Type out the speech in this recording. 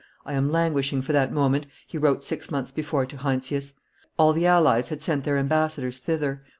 "I am languishing for that moment," he wrote six months before to Heinsius. All the allies had sent their ambassadors thither.